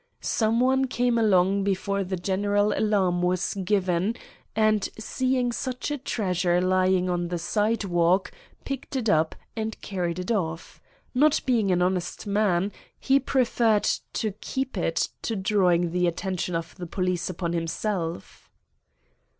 "Some one came along before the general alarm was given; and seeing such a treasure lying on the sidewalk, picked it up and carried it off. Not being an honest man, he preferred to keep it to drawing the attention of the police upon himself."